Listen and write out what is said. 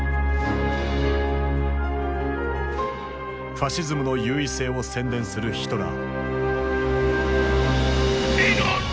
ファシズムの優位性を宣伝するヒトラー。